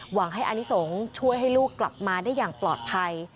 หวังให้อานิสงฆ์ช่วยให้ลูกกลับมาได้อย่างปลอดภัย